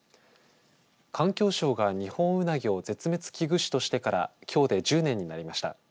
環境省が二ホンウナギを絶滅危惧種としてからきょうで１０年になりました。